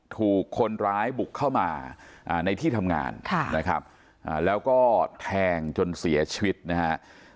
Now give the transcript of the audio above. ถูกคนร้ายบุกเข้ามาในที่ทำงานนะครับแล้วก็แทงจนเสียชีวิตนะฮะ